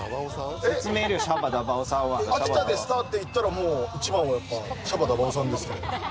秋田でスターっていったらもう一番はやっぱシャバ駄馬男さんですね。